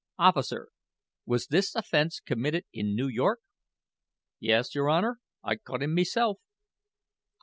Officer, was this offense committed in New York?" "Yes, your Honor; I caught him meself."